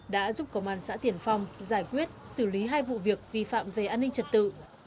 đã giúp công an xã tiển phong giải quyết xử lý hai vụ việc vi phạm về an ninh trật tự